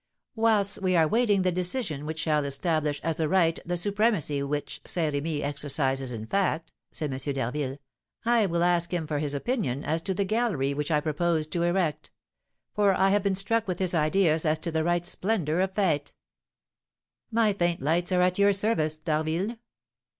"Whilst we are waiting the decision which shall establish as a right the supremacy which Saint Remy exercises in fact," said M. d'Harville, "I will ask him his opinion as to the gallery which I propose to erect; for I have been struck with his ideas as to the right splendour of fêtes." "My faint lights are at your service, D'Harville."